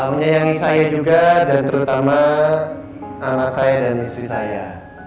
menyayangi saya juga dan terutama anak saya dan istri saya